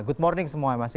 good morning semua ya mas ya